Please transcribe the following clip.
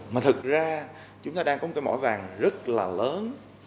mà thực ra chúng ta đang có một cái mỏ vàng rất là lớn